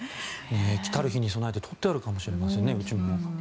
来たる日に備えて取ってあるかもしれませんね。